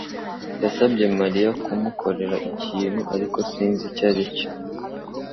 yasabye Mariya kumukorera ikintu, ariko sinzi icyo.